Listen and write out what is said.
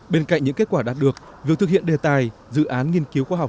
bên cạnh những kết quả đạt được việc thực hiện đề tài dự án nghiên cứu khoa học